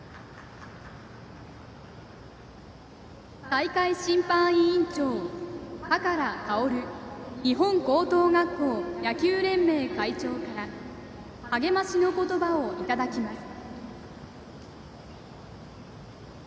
大会審判委員長、寶馨日本高等学校野球連盟会長から励ましの言葉をいただきます。